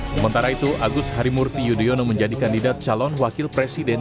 sementara itu agus harimurti yudhoyono menjadi kandidat calon wakil presiden